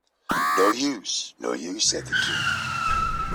‘No use, no use!’ said the King.